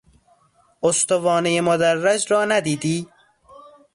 استوانه مدرّج را ندیدی؟